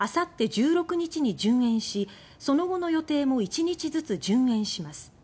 １６日に順延しその後の予定も１日ずつ順延します。